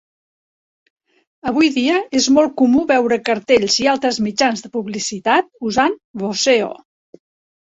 Avui dia és molt comú veure cartells i altres mitjans de publicitat usant "voseo".